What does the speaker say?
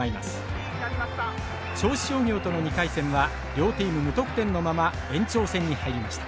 銚子商業との２回戦は両チーム無得点のまま延長戦に入りました。